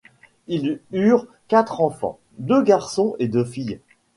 Ils eurent quatre enfants, deux garçons et deux filles.